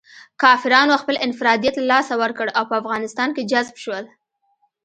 کافرانو خپل انفرادیت له لاسه ورکړ او په افغانستان کې جذب شول.